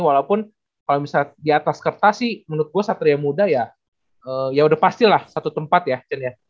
walaupun kalau misalnya di atas kertas sih menurut gue satria muda ya udah pasti lah satu tempat ya